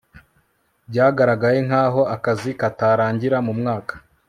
byagaragaye nkaho akazi katarangira mumwaka